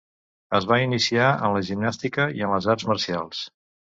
Es va iniciar en la gimnàstica i en les arts marcials.